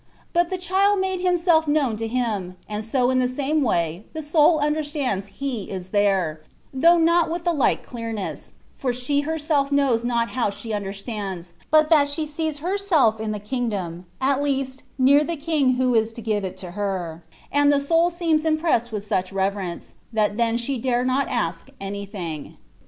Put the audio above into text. But the child made himself known to him ; and so in the same way the soul understands He is there, though not with the like clearness, for she herself knows not how she understands, but that she sees herself in the kingdom (at least, near the King who is to give it to her), and the soul seems impressed with such reverence, that then she dare not ask anything.